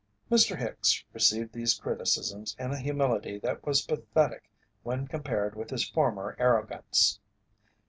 Mr. Hicks received these criticisms in a humility that was pathetic when compared with his former arrogance.